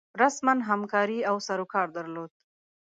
رسما همکاري او سروکار درلود.